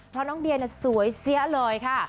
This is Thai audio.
เพราะน้องเดียสวยเสี้ยเลยค่ะ